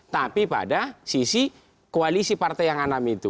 tapi pada sisi koalisi partai yang anam itu